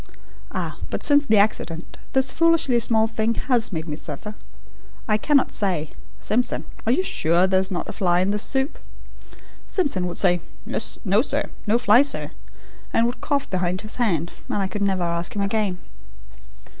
Ah, but since the accident this foolishly small thing HAS made me suffer! I cannot say: 'Simpson, are you sure there is not a fly in this soup?' Simpson would say: 'No sir; no fly sir,' and would cough behind his hand, and I could never ask him again."